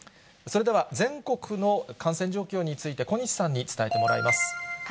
それでは、全国の感染状況について、小西さんに伝えてもらいます。